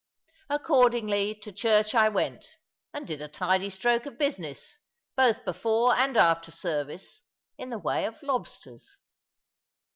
Accordingly to church I went, and did a tidy stroke of business, both before and after service, in the way of lobsters.